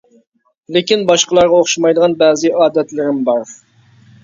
لېكىن باشقىلارغا ئوخشىمايدىغان بەزى ئادەتلىرىم بار.